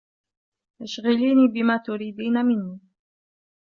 اشغليني بما تريدين مني